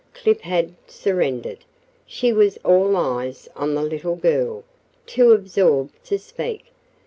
Clip had surrendered she was "all eyes on the little girl"; too absorbed to speak.